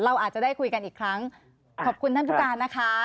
เราอาจจะได้คุยกันอีกครั้งขอบคุณท่านผู้การนะคะ